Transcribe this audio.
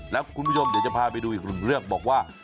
แล้วคุณผู้ชมเดี๋ยวจะพาไปดูอีกหนึ่งเรื่องบอกว่า